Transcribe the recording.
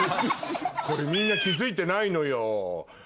これみんな気付いてないのよ。